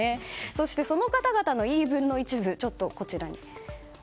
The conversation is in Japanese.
そして、その方々の言い分の一部です。